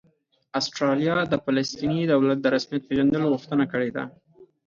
استرالیا د فلسطیني دولت د رسمیت پېژندلو غوښتنه کړې ده